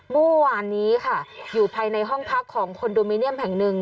เมื่อวานนี้ค่ะอยู่ภายในห้องพักของคอนโดมิเนียมแห่งหนึ่ง